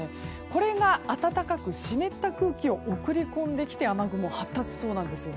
これが暖かく湿った空気を送り込んできて雨雲が発達しそうなんです。